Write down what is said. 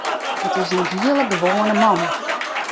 It is in hiele gewoane man.